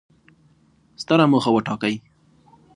ستره موخه وټاکئ!